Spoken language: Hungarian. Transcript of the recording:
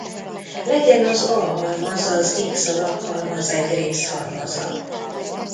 Legyen az A halmaz az X alaphalmaz egy részhalmaza.